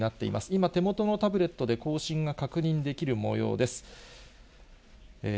今、手元のタブレットで更新が確認できるもようです。